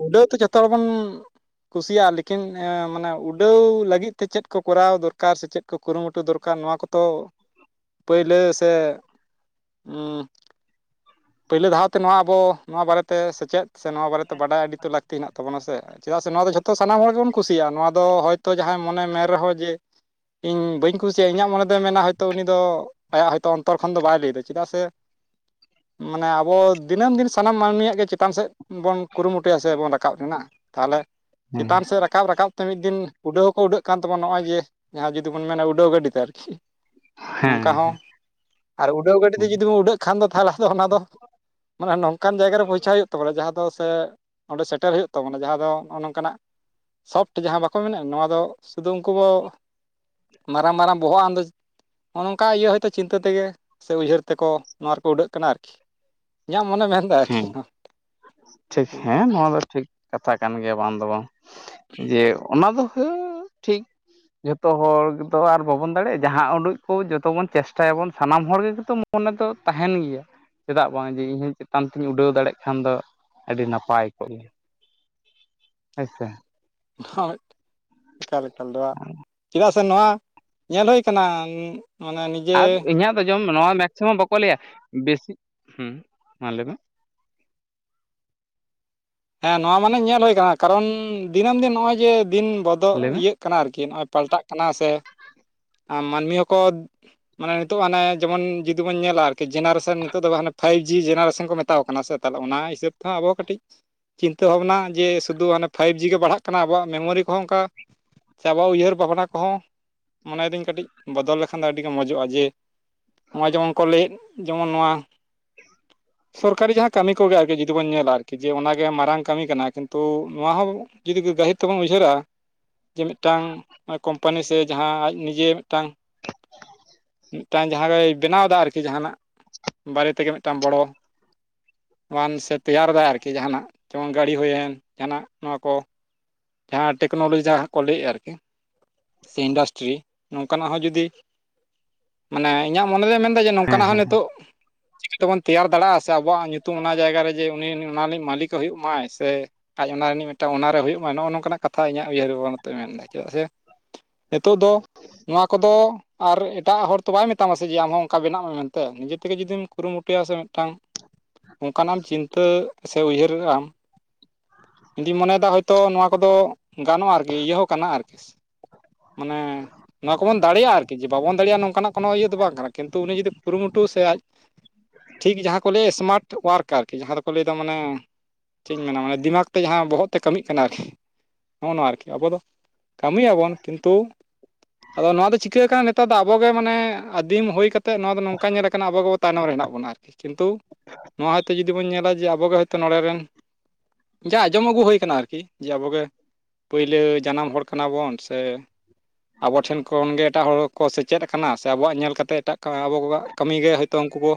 ᱩᱰᱟᱹᱣ ᱫᱚ, ᱡᱚᱛᱚ ᱦᱚᱲ ᱵᱚᱱ ᱠᱩᱥᱤᱭᱟᱜᱼᱟ ᱾ ᱞᱮᱠᱤᱱ ᱮᱸᱼᱢᱟᱱᱮ, ᱩᱰᱟᱹᱣ ᱞᱟᱹᱜᱤᱫ ᱛᱮ, ᱪᱮᱫ ᱠᱚ, ᱠᱚᱨᱟᱣ ᱫᱚᱨᱠᱟᱨ ᱥᱮ, ᱪᱮᱫ ᱠᱚ, ᱠᱩᱨᱩᱢᱩᱴᱩ ᱫᱚᱨᱠᱟᱨ, ᱱᱚᱣᱟ ᱠᱚᱫᱚ, ᱯᱟᱹᱭᱞᱟᱹ ᱥᱮ, ᱩᱸᱼ ᱯᱳᱭᱞᱳ ᱫᱷᱟᱣᱛᱮ, ᱱᱚᱣᱟ ᱟᱵᱚ, ᱱᱚᱣᱟ ᱵᱟᱨᱮ ᱛᱮ, ᱥᱮᱪᱮᱫ ᱥᱮ, ᱱᱚᱣᱟ ᱵᱟᱨᱮ ᱛᱮ, ᱵᱟᱟᱭ ᱟᱹᱰᱤ ᱛᱚ, ᱞᱟᱹᱠᱛᱤ ᱦᱮᱱᱟᱜ ᱛᱟᱚᱱᱟ, ᱥᱮ ᱪᱮᱫᱟᱜ ᱥᱮ, ᱱᱚᱣᱟ ᱫᱚ, ᱡᱷᱚᱛᱚ ᱛᱚ, ᱥᱟᱱᱟᱢ ᱦᱚᱲ ᱜᱮ ᱵᱚᱱ, ᱠᱩᱥᱤᱭᱟᱜᱼᱟ ᱾ ᱱᱚᱣᱟ ᱫᱚ, ᱦᱚᱭ ᱛᱚ, ᱡᱟᱦᱟᱸᱭ ᱢᱚᱱᱮ, ᱢᱮᱱ ᱨᱮᱦᱚᱸ, ᱡᱮ, ᱤᱧ ᱵᱟᱹᱧ ᱠᱩᱥᱤᱭᱟᱜᱼᱟ, ᱤᱧᱟᱹᱜ ᱢᱚᱱᱮ ᱫᱚᱭ, ᱢᱮᱱᱟ, ᱩᱱᱤ ᱫᱚ, ᱟᱭᱟᱜ ᱦᱚᱭ ᱛᱳ, ᱚᱱᱛᱚᱨ ᱠᱷᱚᱱ ᱫᱚ, ᱵᱟᱭ ᱞᱟᱹᱭ ᱮᱫᱟ, ᱪᱮᱫᱟᱜ ᱥᱮ ᱢᱟᱱᱮ ᱟᱵᱚ, ᱫᱤᱱᱟᱹᱢ ᱫᱤᱱ ᱥᱟᱱᱟᱢ, ᱢᱟᱹᱱᱢᱤᱭᱟᱜ ᱜᱮ, ᱪᱮᱛᱟᱱ ᱥᱮᱫ ᱵᱚᱱ, ᱠᱩᱨᱩᱢᱩᱴᱩᱭᱟ ᱥᱮ ᱵᱚᱱ, ᱨᱟᱠᱟᱵ ᱨᱮᱱᱟᱜ, ᱛᱟᱦᱚᱞᱮ, ᱦᱮᱸ ᱪᱮᱛᱟᱱ ᱥᱮᱫ, ᱨᱟᱠᱟᱵ ᱨᱟᱠᱟᱵ, ᱨᱟᱠᱟᱵ ᱛᱮ, ᱢᱤᱫ ᱫᱤᱱ, ᱩᱰᱟᱹᱣ ᱦᱚᱸᱠᱚ, ᱩᱰᱟ. ᱜ ᱠᱟᱱ ᱛᱟᱵᱚᱱᱟ, ᱱᱚᱜᱼᱚᱭ ᱡᱮ, ᱡᱟᱦᱟᱸ ᱡᱩᱫᱤ ᱵᱚᱱ ᱢᱮᱱᱟ, ᱩᱰᱟ. ᱣ ᱜᱟ. ᱵᱤ ᱛᱮ ᱟᱨᱠᱤ, ᱦᱩᱸ [unintelligible] ᱱᱚᱝᱠᱟ ᱦᱚᱸ ᱟᱨ, ᱩᱰᱟᱹᱣ ᱜᱟᱹᱰᱤ ᱛᱮ, ᱡᱩᱫᱤ ᱵᱚᱱ ᱩᱰᱟᱹᱜ ᱠᱷᱟᱱ ᱫᱚ, ᱛᱟᱦᱚᱞᱮ ᱚᱱᱟ ᱫᱚ, ᱢᱟᱱᱮ, ᱱᱚᱝᱠᱟᱱ ᱡᱟᱭᱜᱟ ᱨᱮᱵᱚ ᱤᱪᱪᱷᱟ, ᱦᱩᱭᱩᱜ ᱛᱟᱵᱚᱱᱟ, ᱡᱟᱦᱟᱸ ᱫᱚ, ᱥᱮ ᱚᱸᱰᱮ, ᱥᱮᱴᱮᱨ ᱦᱩᱭᱩᱜ ᱛᱟᱵᱚᱱᱟ, ᱡᱟᱦᱟᱸ ᱫᱚ, ᱱᱚᱜᱼᱚ ᱱᱚᱝᱠᱟᱱᱟᱜ ᱥᱟᱯᱴ ᱡᱟᱦᱟᱸ ᱵᱟᱠᱚ ᱢᱮᱱᱟ, ᱱᱚᱣᱟ ᱫᱚ ᱥᱩᱫᱩᱢ ᱠᱚᱵᱚ, ᱢᱟᱨᱟᱝ ᱢᱟᱨᱟᱝ ᱵᱚᱦᱚᱜ, ᱟᱸᱫᱚ ᱱᱚᱜᱼᱚ ᱱᱚᱝᱠᱟ, ᱤᱭᱟᱹ ᱦᱚᱭ ᱛᱳ ᱪᱤᱱᱛᱟᱹ ᱛᱮᱜᱮ, ᱥᱮ ᱩᱭᱦᱟᱹᱨ ᱛᱮᱠᱚ, ᱱᱚᱣᱟ ᱨᱮᱠᱚ, ᱩᱰᱟᱹᱜ ᱠᱟᱱᱟ ᱟᱨᱠᱤ, ᱤᱧᱟᱹᱜ ᱢᱚᱱᱮ, ᱢᱮᱱᱮᱫᱟ ᱠᱤ ᱦᱮᱸ ᱴᱷᱤᱠ, ᱦᱮᱸ ᱱᱚᱣᱟ ᱫᱚ, ᱴᱷᱤᱠ ᱠᱟᱛᱷᱟ, ᱠᱟᱱ ᱜᱮᱭᱟ, ᱵᱟᱝ ᱫᱚ ᱵᱟᱝ, ᱦᱩᱼᱩ-ᱡ ᱡᱮ, ᱚᱱᱟ ᱫᱚ ᱦᱟ. ᱻᱟᱟᱟᱟᱟᱻ ᱴᱷᱤᱠ ᱡᱷᱚᱛᱚ ᱦᱚᱲ ᱫᱚ ᱟᱨ ᱵᱟᱵᱚᱱ ᱡᱚᱛᱚ ᱡᱚᱛᱚ ᱦᱚᱲ ᱫᱚ, ᱟᱨ ᱵᱟᱵᱚᱱ ᱫᱟᱲᱮᱭᱟᱜᱼᱟ ᱾ ᱡᱟᱦᱟᱸ ᱩᱰᱩᱠ ᱠᱚ, ᱡᱚᱛᱚ ᱵᱚᱱ ᱪᱮᱥᱴᱟᱭᱟ ᱵᱚᱱ, ᱥᱟᱱᱟᱢ ᱦᱚᱲ ᱜᱮᱛᱚ ᱢᱚᱱᱮ ᱫᱚ, ᱛᱟᱦᱮᱱ ᱜᱮᱭᱟ, ᱪᱮᱫᱟᱜ ᱵᱟᱝ, ᱡᱮ, ᱤᱧ ᱦᱚᱸ ᱪᱮᱛᱟᱱ ᱛᱤᱧ, ᱩᱰᱟᱹᱣ ᱫᱟᱲᱮᱭᱟᱜ ᱠᱷᱟᱱ ᱫᱚ, ᱟᱹᱰᱤ ᱱᱟᱯᱟᱭ ᱠᱚᱜ, ᱜᱮᱭᱟ, ᱦᱮᱭ ᱥᱮ ᱫᱷ-ᱴ, ᱮᱠᱟᱞ ᱮᱠᱟᱞ ᱫᱚ, [unintelligible] ᱪᱮᱫᱟᱜ ᱥᱮ ᱱᱚᱣᱟ, ᱧᱮᱞ ᱦᱩᱭ ᱟᱠᱟᱱᱟ, ᱱᱩᱻ ᱢᱟᱱᱮ ᱱᱤᱡᱮ ᱟᱨ ᱤᱧᱟᱹᱜ ᱫᱚ, ᱡᱚᱢ ᱱᱚᱣᱟ ᱢᱮᱠᱥᱤᱢᱟᱢ ᱵᱟᱠᱚ ᱞᱟᱹᱭᱟ, ᱵᱮᱥᱤ, ᱦᱚᱸ ᱢᱟ ᱞᱟᱹᱭᱢᱮ [inaudible] ᱦᱮᱸ, ᱱᱚᱣᱟ ᱢᱟᱱᱮ, ᱧᱮᱞ ᱦᱩᱭ ᱟᱠᱟᱱᱟ, ᱠᱟᱨᱚᱱ ᱫᱤᱱᱟᱹᱢ ᱫᱤᱱ, ᱱᱚᱜᱼᱚᱭ, ᱡᱮ, ᱫᱤᱱ ᱵᱚᱫᱚᱞ ᱞᱟᱹᱭ ᱢᱮ ᱤᱭᱟᱹᱜ ᱠᱟᱱᱟ, ᱟᱨᱠᱤ, ᱱᱚᱜᱼᱚᱭ ᱯᱟᱞᱴᱟᱜ ᱠᱟᱱᱟ ᱥᱮ, ᱢᱟᱹᱱᱢᱤ ᱦᱚᱸᱠᱚ ᱢᱟᱱᱮ, ᱱᱤᱛᱚᱜ ᱦᱟᱱᱮ, ᱡᱮᱢᱚᱱ ᱡᱩᱫᱤ, ᱵᱚᱱ ᱧᱮᱞᱟ, ᱟᱨᱠᱤ ᱡᱮᱱᱟᱨᱮᱥᱚᱱ ᱱᱤᱛᱚᱜ ᱫᱚ, ᱦᱟᱱᱮ ᱯᱷᱟᱭᱤᱵ ᱡᱤ, ᱡᱮᱱᱟᱨᱮᱥᱚᱱ ᱠᱚ, ᱢᱮᱛᱟᱣ ᱟᱠᱚ ᱠᱟᱱᱟ ᱥᱮ, ᱛᱟᱦᱚᱞᱮ, ᱚᱱᱟ ᱦᱤᱥᱟᱹᱵᱽ ᱛᱮᱦᱚᱸ, ᱟᱵᱚ ᱠᱟᱹᱴᱤᱡ, ᱪᱤᱱᱛᱟᱹ ᱵᱷᱟᱵᱱᱟ, ᱡᱮ, ᱥᱩᱫᱷᱩ ᱚᱱᱮ, ᱯᱷᱟᱭᱤᱵ ᱡᱤ ᱜᱮ, ᱵᱟᱲᱦᱟᱜ ᱠᱟᱱᱟ, ᱟᱵᱚᱣᱟᱜ ᱢᱮᱢᱳᱨᱤ ᱠᱚᱦᱚᱸ, ᱚᱱᱠᱟ ᱪᱮ, ᱟᱵᱚᱣᱟᱜ ᱩᱭᱦᱟᱹᱨ ᱵᱷᱟᱵᱽᱱᱟ ᱠᱚᱦᱚᱸ, ᱢᱚᱱᱮ ᱭᱮᱫᱟᱹᱧ ᱠᱟᱹᱴᱤᱡ, ᱵᱚᱫᱚᱞ ᱞᱮᱠᱷᱟᱱ ᱫᱚ, ᱟᱹᱰᱤ ᱜᱮ ᱢᱚᱡᱚᱜᱼᱟ, ᱡᱮ ᱱᱚᱜ ᱡᱮᱢᱚᱱ ᱠᱚ ᱞᱟᱹᱭ ᱮᱫ ᱡᱮᱢᱚᱱ ᱱᱚᱣᱟᱼᱼ ᱥᱚᱨᱠᱟᱨᱤ ᱡᱟᱦᱟᱸ ᱠᱟᱹᱢᱤ ᱠᱚᱜᱮ ᱟᱨᱠᱤ ᱡᱩᱫᱤ ᱵᱚᱱᱮᱞᱟ ᱟᱨᱠᱤ ᱡᱮ [unintelligible] ᱜᱮ ᱢᱟᱨᱟᱝ ᱠᱟᱹᱢᱤ ᱠᱟᱱᱟ ᱠᱤᱱᱛᱩ ᱱᱚᱣᱟ ᱦᱚᱸ ᱡᱩᱫᱤ ᱜᱟᱹᱦᱤᱨ ᱛᱮᱵᱚᱱ ᱩᱭᱦᱟᱹᱨᱟ ᱡᱮ ᱢᱤᱫᱴᱟᱝ ᱠᱳᱢᱯᱟᱱᱤ ᱥᱮ ᱡᱟᱦᱟᱸ ᱟᱡ ᱱᱤᱡᱮ ᱢᱤᱫᱴᱟᱝᱼᱼ ᱢᱤᱫᱴᱟᱝ ᱡᱟᱦᱟᱸ ᱜᱮᱭ ᱵᱮᱱᱟᱣ ᱮᱫᱟ ᱟᱨᱠᱤ ᱡᱟᱦᱟᱱᱟᱜ ᱵᱟᱨᱮ ᱛᱮᱜᱮ ᱢᱤᱫᱴᱟᱝ ᱵᱚᱲᱚ ᱢᱟᱱ ᱥᱮ ᱛᱮᱭᱟᱨ ᱫᱟᱭ ᱟᱨᱠᱤ ᱡᱟᱦᱟᱱᱟᱜ ᱡᱮᱢᱚᱱ ᱜᱟᱹᱲᱤ ᱦᱩᱭᱮᱱ ᱡᱟᱦᱟᱱᱟᱜ ᱱᱚᱣᱟ ᱠᱚ ᱡᱟᱦᱟᱸ ᱴᱮᱠᱱᱳᱞᱳᱡᱤ ᱡᱟᱦᱟᱸ ᱠᱚ ᱞᱟᱹᱭᱮᱫᱼᱟ ᱟᱨᱠᱤ ᱥᱮ ᱤᱱᱰᱟᱥᱴᱨᱤ ᱱᱚᱝᱠᱟᱱᱟᱜ ᱦᱚᱸ ᱡᱩᱫᱤᱼᱼ ᱢᱟᱱᱮ ᱤᱧᱟᱹᱜ ᱢᱚᱱᱮ ᱫᱚᱧ ᱢᱮᱱᱫᱟ ᱡᱮ ᱦᱮᱸ ᱱᱚᱝᱠᱟᱱᱟᱜ ᱦᱚᱸ ᱦᱮᱸ ᱱᱤᱛᱚᱜᱼᱼ ᱪᱤᱠᱟᱹ ᱛᱮᱵᱚᱱ ᱛᱮᱭᱟᱨ ᱫᱟᱲᱮᱭᱟᱜᱼᱟ ᱥᱮ ᱟᱵᱚᱣᱟᱜ ᱧᱩᱛᱩᱢ ᱚᱱᱟ ᱡᱟᱭᱜᱟ ᱨᱮ ᱡᱮ ᱩᱱᱤ ᱚᱱᱟ ᱨᱤᱱᱤᱡ ᱢᱟᱹᱞᱤᱠ ᱦᱩᱭᱩᱜ ᱢᱟᱭ ᱥᱮᱼᱼ ᱟᱡ ᱚᱱᱟ ᱨᱤᱱᱤᱡ ᱢᱤᱫᱴᱟᱱ ᱚᱱᱟ ᱨᱮ ᱦᱩᱭᱩᱜ ᱢᱟ ᱱᱚᱜᱼᱚ ᱱᱚᱝᱠᱟᱱᱟᱜ ᱠᱟᱛᱷᱟ ᱤᱧᱟᱹᱜ ᱩᱭᱦᱟᱹᱨ ᱵᱷᱟᱵᱽᱱᱟ ᱛᱮ ᱢᱮᱱᱫᱟ ᱪᱮᱫᱟᱜ ᱥᱮᱼᱼ ᱱᱤᱛᱳᱜ ᱫᱚ ᱱᱚᱣᱟ ᱠᱚᱫᱚᱼᱼ ᱟᱨ ᱮᱴᱟᱜ ᱦᱚᱲ ᱛᱚ ᱵᱟᱭ ᱢᱮᱛᱟᱢᱟ ᱥᱮ ᱡᱮ ᱟᱢ ᱦᱚᱸ ᱚᱱᱠᱟ ᱵᱮᱱᱟᱜ ᱢᱮ ᱢᱮᱱᱛᱮ ᱱᱤᱡᱮ ᱛᱮᱜᱮ ᱡᱩᱫᱤᱢ ᱠᱩᱨᱩᱢᱩᱴᱩᱭᱟ ᱥᱮ ᱢᱤᱫᱴᱟᱝᱼᱼ ᱚᱱᱠᱟᱱᱟᱜ ᱪᱤᱱᱛᱟᱹ ᱥᱮ ᱩᱭᱦᱟᱹᱨ ᱟᱫᱟᱢ ᱤᱧᱫᱩᱧ ᱢᱚᱱᱮᱭ ᱮᱫᱟ ᱦᱳᱭᱛᱚ ᱱᱚᱣᱟ ᱠᱚᱫᱚ ᱜᱟᱱᱚᱜᱼᱟ ᱟᱨᱠᱤ ᱤᱭᱟᱹ ᱦᱚᱸ ᱠᱟᱱᱟ ᱟᱨᱠᱤ ᱢᱟᱱᱮᱼᱼ ᱱᱚᱣᱟ ᱠᱚᱵᱚᱱ ᱫᱟᱲᱮᱭᱟᱜᱼᱟ ᱟᱨᱠᱤ ᱡᱮ ᱵᱟᱵᱟᱱ ᱫᱟᱲᱮᱭᱟᱜ ᱱᱚᱝᱠᱟᱱᱟᱜ ᱠᱳᱱᱳ ᱤᱭᱟᱹ ᱫᱚ ᱵᱟᱝ ᱠᱟᱱᱟ ᱠᱤᱱᱛᱩ ᱩᱱᱤ ᱡᱩᱫᱤ ᱠᱩᱨᱩᱢᱩᱴᱩ ᱥᱮ ᱟᱡᱼᱼ ᱴᱷᱤᱠ ᱡᱟᱦᱟᱸ ᱠᱚ ᱞᱟᱹᱭ ᱟᱥᱢᱟᱨᱴ ᱣᱟᱨᱠ ᱟᱨᱠᱤ ᱡᱟᱦᱟᱸ ᱫᱚᱠᱚ ᱞᱟᱹᱭ ᱮᱫᱟ ᱢᱟᱱᱮᱼᱼ ᱪᱮᱫ ᱤᱧ ᱢᱮᱱᱟ ᱢᱟᱱᱮ ᱫᱤᱢᱟᱜᱽ ᱛᱮ ᱡᱟᱦᱟᱸ ᱵᱚᱦᱚᱜ ᱛᱮ ᱠᱟᱹᱢᱤᱜ ᱠᱟᱱᱟ ᱟᱨᱠᱤ ᱱᱚᱜᱼᱚᱸᱭ ᱱᱚᱶᱟ ᱟᱨᱠᱤ ᱟᱵᱚ ᱫᱚ ᱠᱟᱹᱢᱤᱭ ᱟᱵᱚᱱ ᱠᱤᱱᱛᱩᱼᱼ ᱟᱫᱚ ᱱᱚᱶᱟ ᱫᱚ ᱪᱤᱠᱟᱹ ᱠᱟᱱᱟ ᱱᱮᱛᱟᱨ ᱫᱚ ᱟᱵᱚ ᱜᱮ ᱢᱟᱱᱮ ᱟᱹᱫᱤᱢ ᱦᱩᱭ ᱠᱟᱛᱮᱫ ᱱᱚᱶᱟ ᱫᱚ ᱱᱚᱝᱠᱟ ᱧᱮᱞ ᱟᱠᱟᱱᱟ ᱟᱵᱚ ᱵᱟᱵᱚᱛᱼᱼ ᱛᱟᱭᱱᱚᱢ ᱨᱮ ᱦᱮᱱᱟᱜ ᱵᱚᱱᱟ ᱟᱨᱠᱤ ᱠᱤᱱᱛᱩ ᱱᱚᱶᱟ ᱦᱳᱭ ᱛᱚ ᱡᱩᱫᱤ ᱵᱚᱱ ᱧᱮᱞᱟ ᱡᱮ ᱟᱵᱚ ᱜᱮ ᱦᱳᱭ ᱛᱚ ᱱᱚᱰᱮ ᱨᱮᱱᱼᱼ ᱡᱟ ᱟᱸᱡᱚᱢ ᱟᱹᱜᱩ ᱦᱩᱭ ᱟᱠᱟᱱᱟ ᱟᱨᱠᱤ ᱡᱮ ᱟᱵᱚ ᱜᱮ ᱯᱟᱹᱭᱞᱟᱹ ᱡᱟᱱᱟᱢ ᱦᱚᱲ ᱠᱟᱱᱟ ᱵᱚᱱ ᱥᱮ ᱟᱵᱚ ᱴᱷᱮᱱ ᱠᱷᱚᱱ ᱜᱮ ᱮᱴᱟᱜ ᱦᱚᱲᱼᱼ ᱠᱚ ᱥᱮᱪᱮᱫ ᱟᱠᱟᱱᱟ ᱥᱮ ᱟᱵᱚᱣᱟᱜ ᱧᱮᱞ ᱠᱟᱛᱮᱫ ᱮᱴᱟᱜ ᱟᱵᱚ ᱠᱚᱣᱟᱜ ᱠᱟᱹᱢᱤ ᱜᱮ ᱦᱳᱭ ᱛᱚ ᱩᱝᱠᱩ ᱵᱚ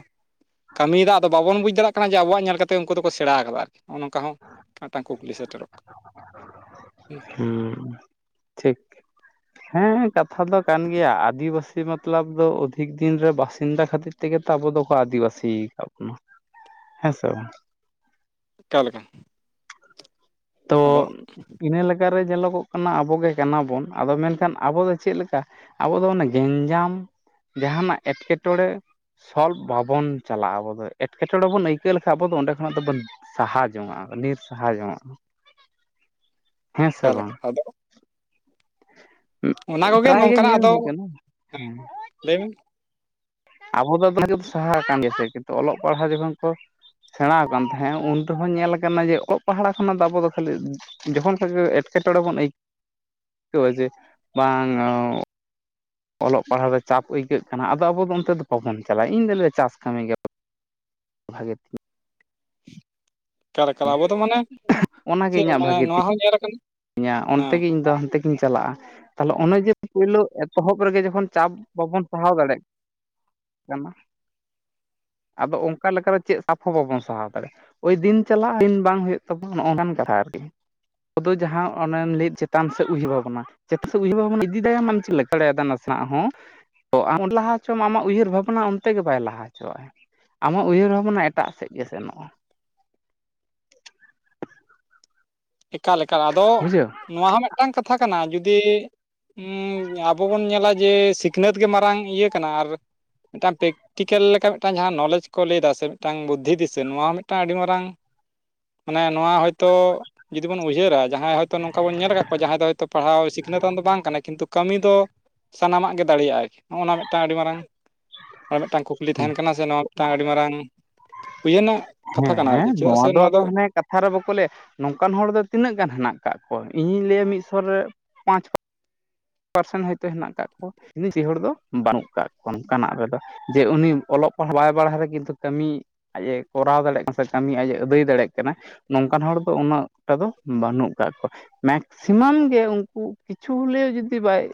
ᱠᱟᱹᱢᱤᱭ ᱮᱫᱟ ᱟᱫᱚ ᱵᱟᱵᱚᱱ ᱵᱩᱡᱽ ᱫᱟᱲᱮᱭᱟᱜ ᱠᱟᱱᱟ ᱡᱮ ᱟᱵᱚᱣᱟᱜ ᱧᱮᱞ ᱠᱟᱛᱮ ᱩᱱᱠᱩ ᱫᱚᱠᱚ ᱥᱮᱲᱟ ᱟᱠᱟᱫᱟ ᱚᱱᱚᱝᱠᱟ ᱦᱚᱸ ᱢᱤᱫᱴᱟᱝ ᱠᱩᱠᱞᱤ ᱥᱮᱴᱮᱨᱚᱜ ᱦᱩᱸ ᱴᱷᱤᱠ ᱦᱮᱸ ᱦᱮᱸ ᱠᱟᱛᱷᱟ ᱫᱚ ᱠᱟᱱ ᱜᱮᱭᱟ ᱟᱹᱫᱤᱵᱟᱹᱥᱤᱼᱼ ᱢᱚᱛᱞᱚᱵᱽ ᱫᱚ ᱚᱫᱷᱤᱠ ᱫᱤᱱ ᱨᱮ ᱵᱟᱥᱤᱱᱫᱟ ᱠᱷᱟᱹᱛᱤᱨ ᱛᱮᱜᱮ ᱛᱚ ᱟᱵᱚ ᱫᱚᱠᱚ ᱟᱹᱫᱤᱵᱟᱹᱥᱤ ᱟᱠᱟᱫ ᱵᱚᱱᱟ ᱦᱮᱸ ᱥᱮ ᱵᱟᱝ ᱚᱠᱟ ᱞᱮᱠᱟ? ᱛᱚ ᱟᱫᱚ ᱤᱱᱟᱹ ᱞᱟᱹᱠ ᱚᱠᱟ ᱨᱮ ᱧᱮᱞᱚᱠᱚᱜ ᱠᱟᱱᱟ ᱟᱵᱚ ᱜᱮ ᱠᱟᱱᱟ ᱵᱚᱱ ᱟᱫᱚ ᱢᱮᱱ ᱠᱷᱟᱱ ᱟᱵᱚ ᱫᱚ ᱪᱮᱫ ᱞᱮᱠᱟ ᱟᱵᱚ ᱫᱚ ᱚᱱᱟ ᱜᱮᱧᱡᱟᱢ ᱡᱟᱦᱟᱸᱱᱟᱜ ᱮᱴᱠᱮᱴᱚᱬᱮ ᱥᱚᱞᱵᱷ ᱵᱟᱵᱚᱱ ᱪᱟᱞᱟᱜᱼᱟ ᱟᱵᱚ ᱫᱚ ᱮᱴᱠᱮᱴᱚᱬᱮ ᱵᱚᱱ ᱟᱹᱭᱠᱟᱹ ᱞᱮᱠᱷᱟᱡ ᱟᱵᱚ ᱫᱚ ᱚᱸᱰᱮ ᱠᱷᱚᱱᱟᱜ ᱫᱚᱵᱚᱱ ᱥᱟᱦᱟ ᱡᱚᱝᱟᱜᱼᱟ ᱱᱤᱨ ᱥᱟᱦᱟ ᱡᱚᱝᱟᱜᱼᱟ ᱦᱮᱸ ᱥᱮ [unintelligible] ᱵᱟᱝ ᱟᱫᱚᱼᱼ ᱚᱱᱟ ᱠᱚᱜᱮ ᱯᱨᱟᱭ ᱜᱮ ᱱᱚᱝᱠᱟᱱᱟᱜ ᱧᱮᱞ ᱟᱫᱚ ᱦᱩᱭ ᱠᱟᱱᱟ ᱦᱮᱸ ᱞᱟᱹᱭ ᱢᱮᱼᱼ ᱟᱵᱚ ᱦᱚᱸ ᱫᱚ ᱡᱩᱫᱤ ᱥᱟᱦᱟ ᱟᱠᱟᱱ ᱜᱮᱭᱟ ᱥᱮ ᱠᱤᱱᱛᱩ ᱚᱞᱚᱜ ᱯᱟᱲᱦᱟᱜ ᱡᱚᱠᱷᱚᱱ ᱠᱚ ᱥᱮᱬᱟᱶ ᱟᱠᱟᱱ ᱛᱟᱦᱮᱸᱫ ᱩᱱ ᱨᱮᱦᱚᱸ ᱧᱮᱞ ᱟᱠᱟᱱᱟ ᱡᱮ ᱚᱜ ᱯᱟᱲᱦᱟᱜ ᱠᱷᱚᱱᱟᱜ ᱫᱚ ᱟᱵᱚ ᱫᱚ ᱠᱷᱟᱹᱞᱤᱼᱼ ᱡᱚᱠᱷᱚᱱ ᱠᱷᱟᱡ ᱜᱮ ᱮᱴᱠᱮᱴᱚᱬᱮ ᱵᱚᱱ ᱟᱹᱭ- ᱠᱟᱹᱣᱟ [unintelligible] ᱵᱟᱝ ᱚᱞᱚᱜ ᱯᱟᱲᱦᱟᱣ ᱨᱮ ᱪᱟᱯ ᱟᱹᱭᱠᱟᱹᱜ ᱠᱟᱱᱟ ᱟᱫᱚ ᱟᱵᱚ ᱫᱚ ᱚᱱᱛᱮ ᱫᱚ ᱵᱟᱵᱚᱱ ᱪᱟᱞᱟᱜᱼᱟ ᱤᱧ ᱫᱚ ᱞᱟᱹᱭᱟ ᱪᱟᱥ ᱠᱟᱹᱢᱤ ᱜᱮᱼᱼ ᱵᱷᱟᱜᱮ [inaudible] ᱮᱠᱟ ᱞᱮᱠᱟ ᱟᱵᱚ ᱫᱚ ᱢᱟᱱᱮ ᱪᱮᱫ ᱢᱟᱱᱮ ᱱᱚᱶᱟ ᱦᱚᱸ ᱧᱮᱞ ᱟᱠᱟᱱᱟ ᱧᱟᱸ ᱚᱱᱛᱮ ᱦᱮᱸ ᱜᱮ ᱤᱧ ᱫᱚ ᱦᱟᱱᱛᱮ ᱜᱤᱧ ᱪᱟᱞᱟᱜᱼᱟ ᱛᱟᱦᱚᱞᱮ ᱚᱱᱮ ᱡᱮ ᱯᱩᱭᱞᱩ ᱮᱛᱚᱦᱚᱵ ᱨᱮᱜᱮ ᱡᱚᱠᱷᱚᱱ ᱪᱟᱯ ᱵᱟᱵᱚᱱ ᱯᱟᱲᱦᱟᱣ ᱫᱟᱲᱮᱜᱼᱼ ᱠᱟᱱᱟ ᱟᱫᱚ ᱚᱝᱠᱟ ᱞᱮᱠᱟᱨᱮ ᱪᱮᱫ ᱥᱟᱯ ᱦᱚᱸ ᱵᱟᱵᱚᱱ ᱥᱟᱦᱟᱣ ᱫᱟᱲᱮᱜᱼᱟ᱾ ᱳᱭ ᱫᱤᱱ ᱪᱟᱞᱟᱜᱼᱟ ᱫᱤᱱ ᱵᱟᱝ ᱦᱩᱭᱩᱜ ᱛᱟᱵᱚᱱᱟ ᱱᱚᱝᱠᱟᱱ ᱟᱨᱠᱤ᱾ ᱠᱚᱫᱚ ᱡᱟᱦᱟᱸ ᱚᱱᱮᱢ ᱞᱟᱹᱭᱮᱜ ᱪᱮᱛᱟᱱ ᱥᱮᱫ ᱩᱭᱦᱟᱹᱨ ᱵᱟᱵᱚᱱᱟ᱾ ᱪᱮᱛᱟᱱ ᱥᱮᱫ ᱩᱭᱦᱟᱹᱨ ᱵᱟᱵᱚᱱ ᱤᱫᱤ ᱫᱟᱭᱮᱜ ᱢᱟᱱᱮ ᱪᱮᱫ ᱞᱮᱠᱟ, ᱵᱟᱹᱧ ᱵᱩᱡ ᱫᱟᱲᱮᱭᱟ ᱱᱟᱥᱮᱱᱟᱜ ᱦᱚᱸ᱾ ᱟᱢ ᱞᱟᱦᱟ ᱦᱚᱪᱚᱢ ᱟᱢᱟᱜ ᱩᱭᱦᱟᱹᱨ ᱵᱷᱟᱵᱽᱱᱟ, ᱚᱱᱛᱮ ᱜᱮ ᱵᱟᱭ ᱞᱟᱦᱟ ᱦᱚᱪᱚᱣᱟᱜᱼᱟᱭ᱾ ᱟᱢᱟᱜ ᱩᱭᱦᱟᱹᱨ ᱵᱷᱟᱵᱚᱱᱟ ᱮᱴᱟᱜ ᱥᱮᱫ ᱜᱮ ᱥᱮᱱᱚᱜᱼᱟ᱾ ᱮᱠᱟᱞ-ᱮᱠᱟᱞ ᱟᱫᱚ ᱵᱩᱡᱷᱟᱹᱣ ᱱᱚᱶᱟ ᱦᱚᱸ ᱢᱤᱫᱴᱟᱝ ᱠᱟᱛᱷᱟ ᱠᱟᱱᱟ, ᱡᱩᱫᱤ ᱩᱸ ᱟᱵᱚ ᱵᱚᱱ ᱧᱮᱞᱟ ᱡᱮ, ᱥᱤᱠᱱᱟᱹᱛ ᱜᱮ ᱢᱟᱨᱟᱝ ᱤᱭᱟᱹ ᱠᱟᱱᱟ ᱟᱨ ᱢᱤᱫᱴᱟᱝ ᱯᱮᱠ ᱴᱤᱠᱟᱞ ᱞᱮᱠᱟ ᱢᱤᱫᱴᱟᱝ ᱡᱟᱦᱟᱸ ᱱᱳᱞᱮᱡᱽ ᱠᱚ ᱞᱟᱹᱭᱫᱟ, ᱥᱮ ᱢᱤᱫᱴᱟᱝ ᱵᱩᱫᱽᱫᱷᱤ ᱫᱤᱥᱟᱹ ᱱᱚᱶᱟ ᱦᱚᱸ ᱢᱤᱫᱴᱟᱝ ᱟᱹᱰᱤ ᱢᱟᱨᱟᱝ ᱢᱟᱱᱮ ᱱᱚᱶᱟ ᱦᱳᱭ ᱛᱚ ᱡᱩᱫᱤ ᱵᱚᱱ ᱩᱭᱦᱟᱹᱨᱟ ᱡᱟᱦᱟᱸᱭ ᱦᱳᱭ ᱛᱚ, ᱱᱚᱝᱠᱟ ᱵᱚᱱ ᱧᱮᱞ ᱟᱠᱟᱫ ᱠᱚᱣᱟ ᱡᱟᱦᱟᱸᱭ ᱫᱚ ᱦᱳᱭ ᱛᱚ ᱯᱟᱲᱦᱟᱣ ᱥᱤᱠᱷᱱᱟᱹᱛᱟᱱ ᱫᱚ ᱵᱟᱝ ᱠᱟᱱᱟᱭ, ᱠᱤᱱᱛᱩ ᱠᱟᱹᱢᱤ ᱫᱚ ᱥᱟᱱᱟᱢᱟᱜ ᱜᱮ ᱫᱟᱲᱮᱭᱟᱜᱼᱟᱭ, ᱱᱚᱜᱼᱚᱸᱭ ᱱᱚᱶᱟ ᱢᱤᱫᱴᱟᱱ ᱟᱹᱰᱤ ᱢᱟᱨᱟᱝ, ᱢᱤᱫᱴᱟᱝ ᱠᱩᱠ ᱠᱩᱠᱞᱤ ᱛᱟᱦᱮᱱ ᱠᱟᱱᱟ, ᱥᱮ ᱱᱚᱣᱟ ᱢᱤᱫᱴᱟᱝ ᱟᱹᱰᱤ ᱢᱟᱨᱟᱝ ᱩᱭᱦᱟᱹᱨᱱᱟᱜ ᱠᱟᱛᱷᱟ ᱠᱟᱱᱟ, ᱟᱨᱠᱤ ᱦᱮᱸ ᱪᱮᱫᱟᱜ ᱱᱚᱣᱟ ᱥᱮ ᱱᱚᱶᱟ ᱫᱚ ᱟᱫᱚ ᱦᱟᱱᱮ ᱠᱟᱛᱷᱟ ᱨᱮ ᱵᱟᱠᱚ ᱞᱟᱹᱭᱟ, ᱱᱚᱝᱠᱟᱱ ᱦᱚᱲ ᱫᱚ ᱛᱤᱱᱟᱹᱜ ᱜᱟᱱ ᱦᱮᱱᱟᱜ ᱟᱠᱟᱫ ᱠᱚᱣᱟ, ᱤᱧᱤᱧ ᱞᱟᱹᱭᱟ ᱢᱤᱫ ᱥᱚᱨ ᱨᱮ ᱯᱟᱸᱪ ᱯᱟᱨᱥᱮᱱᱴ ᱦᱳᱭ ᱛᱚ ᱦᱮᱱᱟᱜ ᱠᱟᱫ ᱠᱚᱣᱟ, ᱡᱟᱹᱥᱛᱤ ᱦᱚᱲ ᱫᱚ ᱵᱟᱹᱱᱩᱜ ᱟᱠᱟᱫ ᱠᱚᱣᱟ ᱱᱚᱝᱠᱟᱱᱟᱜ ᱨᱮᱫᱚ᱾ ᱡᱮ ᱩᱱᱤ ᱚᱞᱚᱜ ᱯᱟᱲᱦᱟᱜ ᱵᱟᱭ ᱵᱟᱲᱦᱟᱭ ᱨᱮ ᱠᱤᱱᱛᱩ ᱠᱟᱹᱢᱤ ᱟᱡ ᱮ ᱠᱚᱨᱟᱣ ᱫᱟᱲᱮᱜ ᱠᱟᱱᱟ, ᱥᱮ ᱠᱟᱹᱢᱤ ᱟᱡ ᱮ ᱟᱹᱫᱟᱹᱭ ᱫᱟᱲᱮᱜ ᱠᱟᱱᱟ᱾ ᱱᱚᱝᱠᱟᱱ ᱦᱚᱲ ᱫᱚ, ᱩᱱᱟᱹᱜ ᱴᱟᱜ ᱫᱚ ᱵᱟᱹᱱᱩᱜ ᱠᱟᱜ ᱠᱚᱣᱟ᱾ ᱢᱮᱠᱥᱤᱢᱟᱢ ᱜᱮ ᱩᱝᱠᱩ ᱠᱤᱪᱷᱩ ᱵᱚᱱ ᱞᱟᱹᱭᱟ ᱡᱩᱫᱤ ᱡᱩᱫᱤ ᱵᱟᱭ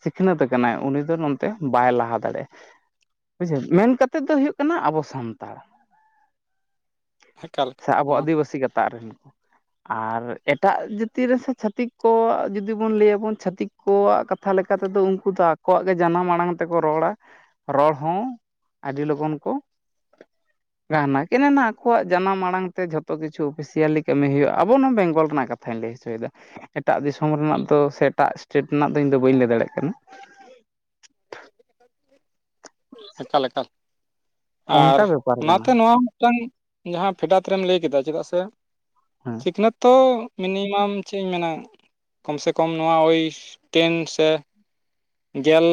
ᱥᱤᱠᱷᱱᱟᱹᱛ ᱠᱟᱱᱟᱭ, ᱩᱱᱤ ᱫᱚ ᱱᱚᱱᱛᱮ ᱵᱟᱭ ᱞᱟᱦᱟ ᱫᱟᱲᱮᱭᱟᱜᱼᱟ᱾ ᱵᱩᱡᱷᱟᱣ ᱢᱮᱱ ᱠᱟᱛᱮᱫ ᱫᱚ ᱦᱳᱭᱳᱜ ᱠᱟᱱᱟ ᱟᱵᱚ ᱥᱟᱱᱛᱟᱲ᱾ ᱮᱠᱟᱞ ᱥᱮ ᱟᱵᱚ ᱱᱚᱣᱟ ᱟᱹᱫᱤᱵᱟᱹᱥᱤ ᱜᱟᱛᱟᱜ ᱨᱮᱱ᱾ ᱟᱨ ᱮᱴᱟᱜ ᱡᱟᱹᱛᱤ ᱨᱮ ᱥᱮ ᱪᱷᱟᱹᱛᱤᱠ ᱠᱚ, ᱡᱩᱫᱤ ᱵᱚᱱ ᱞᱟᱹᱭᱟᱵᱚᱱ ᱪᱷᱟᱟᱹᱛᱤᱠ ᱟᱠᱚᱣᱟᱜ ᱠᱟᱛᱷᱟ ᱞᱮᱠᱟ ᱛᱮᱫᱚ ᱩᱱᱠᱩ ᱫᱚ ᱟᱠᱚ ᱟᱠᱚᱣᱟᱜ ᱜᱮ ᱡᱟᱱᱟᱢ ᱟᱲᱟᱝ ᱛᱮᱠᱚ ᱨᱚᱲᱟ, ᱨᱚᱲ ᱦᱚᱸ ᱟᱹᱰᱤ ᱞᱚᱜᱚᱱ ᱠᱚ [inaudible] ᱜᱟᱱᱟ ᱠᱮᱱᱮ ᱱᱟ ᱟᱠᱚᱣᱟᱜ ᱡᱟᱱᱟᱢ ᱟᱲᱟᱝ ᱛᱮ, ᱡᱷᱚᱛᱚ ᱠᱤᱪᱷᱩ ᱚᱯᱷᱤᱥᱤᱭᱟᱞᱤ ᱠᱟᱹᱢᱤ ᱦᱩᱭᱩᱜᱼᱟ, ᱟᱵᱚ ᱱᱚᱣᱟ ᱵᱮᱝᱜᱚᱞ ᱨᱮᱱᱟᱜ ᱠᱟᱛᱷᱟ᱾ ᱠᱟᱛᱷᱟᱧ ᱞᱟᱹᱭ ᱦᱚᱪᱚᱭᱮᱫᱟ, ᱮᱴᱟᱜ ᱫᱤᱥᱚᱢ ᱨᱮᱱᱟᱜ ᱫᱚ, ᱥᱮ ᱮᱴᱟᱜ ᱥᱴᱮᱴ ᱨᱮᱱᱟᱜ ᱫᱚ ᱤᱧ ᱫᱚ ᱵᱟᱹᱧ ᱞᱟᱹᱭ ᱫᱟᱲᱮᱜ ᱠᱟᱱᱟ᱾ ᱮᱠᱟᱞ-ᱮᱠᱟᱞ ᱟᱨ ᱚᱱᱠᱟ ᱵᱮᱯᱟᱨ ᱠᱟᱱᱟ ᱚᱱᱟᱛᱮ ᱱᱚᱣᱟ ᱢᱤᱫᱴᱟᱝ ᱡᱟᱦᱟᱸ ᱯᱷᱮᱰᱟᱛ ᱨᱮᱢ ᱞᱟᱹᱭ ᱠᱮᱫᱟ, ᱪᱮᱫᱟᱜ ᱥᱮ ᱦᱮᱸ ᱥᱤᱠᱷᱱᱟᱹᱛᱚ ᱢᱤᱱᱤᱢᱟᱢ ᱪᱮᱫ ᱤᱧ ᱢᱮᱱᱟ ᱠᱚᱢ ᱥᱮ ᱠᱚᱢ ᱱᱚᱣᱟ, ᱳᱭ ᱴᱮᱱ ᱥᱮ ᱜᱮᱞ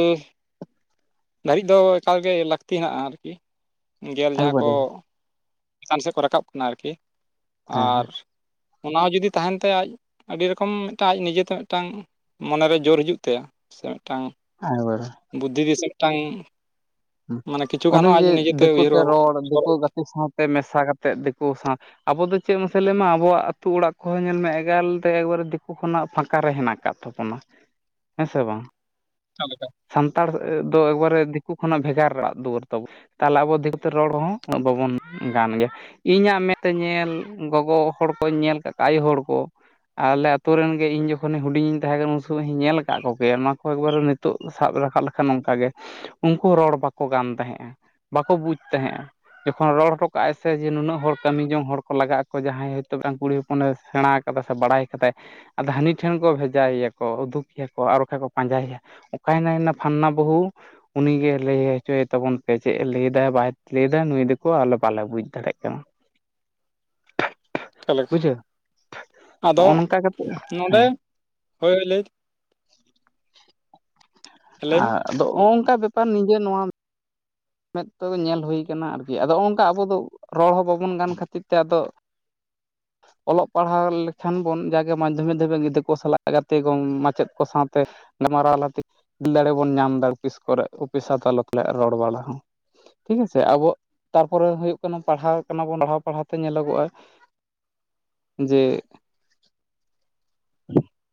ᱫᱷᱟᱹᱨᱤᱡ ᱫᱚ ᱮᱠᱟᱞᱜᱮ, ᱞᱟᱹᱠᱛᱤ ᱦᱮᱱᱟᱜᱼᱟ ᱟᱨᱠᱤ ᱜᱮᱞ ᱡᱟᱦᱟᱸ ᱠᱚ ᱮᱠᱵᱟᱨᱮ ᱪᱮᱛᱟᱱ ᱥᱮᱫ ᱠᱚ ᱨᱟᱠᱟᱵ ᱠᱟᱱᱟ ᱟᱨᱠᱤ, ᱦᱮᱸ ᱟᱨ ᱦᱮᱸ ᱚᱱᱟ ᱦᱚᱸ ᱡᱩᱫᱤ ᱛᱟᱦᱮᱱ ᱛᱟᱭᱟ ᱟᱡ ᱟᱹᱰᱤ ᱨᱚᱠᱚᱢ ᱢᱤᱫᱴᱟᱝ ᱟᱡ ᱱᱤᱡᱮᱛᱮ, ᱢᱤᱫᱴᱟᱝ ᱢᱚᱱᱮᱨᱮ ᱡᱳᱨ ᱦᱤᱡᱩᱜ ᱛᱟᱭᱟ ᱥᱮ ᱢᱤᱫᱴᱟᱝ ᱦ [unintelligible] [unintelligible] ᱵᱩᱫᱽᱫᱷᱤ ᱫᱤᱥᱟᱹ ᱢᱤᱫᱴᱟᱝ ᱢᱟᱱᱮ ᱠᱤᱪᱷᱩ ᱜᱟᱱ ᱚᱱᱮ ᱦᱚᱸ ᱟᱡ ᱡᱮ ᱱᱤᱡᱮᱛᱮ ᱫᱮᱠᱳ ᱩᱭᱦᱟᱹᱨ ᱛᱮ ᱨᱚᱲ ᱫᱮᱠᱳ ᱵᱷᱟᱵᱽᱱᱟ ᱜᱟᱛᱮ, ᱥᱟᱶᱛᱮ ᱢᱮᱥᱟ ᱠᱟᱛᱮᱜ ᱫᱮᱠᱳ ᱥᱟᱶ ᱟᱵᱚ ᱫᱚ ᱪᱮᱫ ᱢᱟᱥᱮ ᱞᱟᱹᱭ ᱢᱮ, ᱟᱵᱚᱣᱟᱜ ᱟᱹᱛᱩ ᱚᱲᱟᱜ ᱠᱚᱦᱚᱸ ᱧᱮᱞ ᱢᱮ, ᱮᱜᱮᱞ ᱛᱮ ᱮᱠᱵᱟᱨᱮ ᱫᱤᱠᱩ ᱠᱷᱱᱟᱜ ᱯᱷᱟᱸᱠᱟ ᱨᱮ ᱦᱮᱱᱟᱜ ᱠᱟᱫ ᱛᱷᱚᱯᱚᱱᱟ ᱦᱮᱸ ᱥᱮ ᱵᱟᱝ? ᱚᱠᱟ ᱞᱮᱠᱟ? ᱥᱟᱱᱛᱟᱲ ᱫᱚ ᱮᱠᱵᱟᱨᱮ ᱫᱮᱠᱩ ᱠᱷᱚᱱᱟᱜ ᱵᱷᱮᱜᱟᱨ ᱚᱲᱟᱜ ᱫᱩᱣᱟᱹᱨ ᱛᱟᱵᱚᱱ᱾ ᱛᱟᱦᱚᱞᱮ ᱟᱵᱚ ᱫᱮᱠᱳ ᱛᱮ ᱨᱚᱲ ᱦᱚᱸ, ᱩᱱᱟᱹᱜ ᱵᱟᱵᱚᱱ ᱜᱟᱱ ᱜᱮᱭᱟ᱾ ᱤᱧᱟᱹᱜ ᱢᱮᱫ ᱛᱮ ᱧᱮᱞ, ᱜᱚᱜᱚ ᱦᱚᱲ ᱠᱚᱧ ᱧᱮᱞ ᱠᱟᱜ ᱠᱚ ᱟᱭᱳ ᱦᱚᱲ ᱠᱚ ᱟᱨ ᱟᱞᱮ ᱟᱛᱩ ᱨᱮᱱ ᱜᱮ ᱤᱧ ᱡᱚᱠᱷᱚᱱ ᱦᱩᱰᱤᱧ ᱤᱧ ᱛᱟᱦᱮᱸ ᱠᱟᱱᱟ ᱩᱱ ᱥᱚᱢᱚᱭ ᱤᱧ ᱧᱮᱞ ᱟᱠᱟᱫ ᱠᱚᱜᱮᱭᱟ ᱚᱱᱟ ᱠᱚ ᱮᱠᱵᱟᱨᱮ ᱱᱤᱛᱚᱜ ᱥᱟᱵ ᱨᱟᱠᱟᱵ ᱞᱮᱠᱷᱟᱱ ᱚᱱᱠᱟ ᱜᱮ, ᱩᱝᱠᱩ ᱨᱚᱲ ᱵᱟᱠᱚ ᱜᱟᱱ ᱛᱟᱦᱮᱸᱜᱼᱟ ᱾ ᱵᱟᱠᱚ ᱵᱩᱡᱽ ᱛᱟᱦᱮᱸᱜᱼᱟ᱾ ᱡᱚᱠᱷᱚᱱ ᱨᱚᱲ ᱦᱚᱴᱚ ᱠᱟᱜᱼᱟᱭ ᱥᱮ ᱡᱮ ᱱᱩᱱᱟᱹᱜ ᱦᱚᱲ ᱠᱟᱹᱢᱤ ᱡᱚᱝ ᱦᱚᱲ ᱠᱚ ᱞᱟᱜᱟᱜ ᱟᱠᱚ ᱡᱟᱦᱟᱸᱭ ᱦᱚᱭᱛᱚ ᱠᱩᱲᱤ ᱦᱚᱯᱚᱱᱮ ᱥᱮᱬᱟ ᱠᱟᱫᱟ ᱥᱮ ᱵᱟᱲᱟᱭ ᱠᱟᱫᱟᱭ ᱟᱫᱚ ᱦᱟᱹᱱᱤ ᱴᱷᱮᱱ ᱠᱚ ᱵᱷᱮᱡᱟ ᱮᱭᱟᱠᱚ ᱩᱫᱩᱜ ᱮᱭᱟᱠᱚ ᱟᱨ ᱵᱟᱠᱷᱟᱱ ᱠᱚ ᱯᱟᱸᱡᱟᱭᱮᱭᱟ᱾ ᱚᱠᱟᱭ ᱱᱟᱭ ᱱᱟ ᱯᱷᱟᱱᱱᱟ ᱵᱟᱹᱦᱩ? ᱩᱱᱤ ᱜᱮ ᱞᱟᱹᱭ ᱦᱚᱪᱚᱭᱮ ᱛᱟᱵᱚᱱ ᱯᱮ ᱪᱮᱫ ᱮ ᱞᱟᱹᱭᱮᱫᱟ ᱵᱟᱭ ᱞᱟᱹᱭᱮᱫᱟ ᱱᱩᱭ ᱫᱚᱠᱚ ᱟᱞᱮ ᱵᱟᱞᱮ ᱵᱩᱡᱽ ᱫᱟᱲᱮᱭᱟᱜ ᱠᱟᱱᱟ᱾ ᱚᱠᱟ ᱞᱮᱠᱟ ᱵᱩᱡᱷᱟᱹᱣ ᱟᱫᱚ ᱱᱚᱜᱼᱚ ᱱᱚᱝᱠᱟ ᱠᱟᱛᱮᱜ ᱦᱮᱸ ᱱᱚᱰᱮ ᱦᱳᱭ ᱞᱟᱹᱭ ᱞᱟᱹᱭ ᱢᱮ ᱟᱨ ᱟᱫᱚ ᱚᱝᱠᱟ ᱵᱮᱯᱟᱨ ᱱᱤᱡᱮ ᱱᱚᱣᱟ ᱢᱮᱫ ᱛᱮᱜᱮ ᱧᱮᱞ ᱦᱩᱭ ᱠᱟᱱᱟ ᱟᱨᱠᱤ, ᱟᱫᱚ ᱱᱚᱝᱠᱟ ᱟᱵᱚ ᱫᱚ ᱨᱚᱲ ᱦᱚᱸ ᱵᱟᱵᱚᱱ ᱜᱟᱱ ᱠᱷᱟᱹᱛᱤᱨ ᱛᱮ ᱟᱫᱚ [inaudible] ᱚᱞᱚᱜ ᱯᱟᱲᱦᱟᱣ ᱞᱮᱠᱷᱟᱱ ᱵᱚᱱ ᱡᱟᱜᱮ ᱢᱟᱫᱽᱫᱷᱚᱢᱤᱠ ᱫᱷᱟᱹᱵᱤᱡ ᱜᱤᱫᱽᱨᱟᱹ ᱠᱚ ᱥᱟᱞᱟᱜ ᱜᱟᱛᱮ ᱠᱚ ᱢᱟᱪᱮᱫ ᱠᱚ ᱥᱟᱶᱛᱮ ᱜᱟᱞᱢᱟᱨᱟᱣ ᱛᱟᱞᱟᱛᱮ ᱫᱤᱞ ᱫᱟᱲᱮ ᱵᱚᱱ ᱧᱟᱢ ᱮᱫᱟ ᱚᱯᱷᱤᱥ ᱠᱚᱨᱮ ᱚᱯᱷᱤᱥ ᱟᱫᱟᱞᱚᱛ ᱞᱮ ᱨᱚᱲ ᱵᱟᱲᱟ ᱦᱚᱸ᱾ ᱴᱷᱤᱠ ᱟᱪᱷᱮ ᱟᱵᱚ ᱛᱟᱨᱯᱚᱨᱮ ᱦᱳᱭᱳᱜ ᱠᱟᱱᱟ ᱯᱟᱲᱦᱟᱣ ᱠᱟᱱᱟ ᱵᱚᱱ ᱯᱟᱲᱦᱟᱣ ᱯᱟᱲᱦᱟᱣ ᱛᱮ ᱧᱮᱞᱚᱜᱚᱜᱼᱟ ᱡᱮ [inaudible]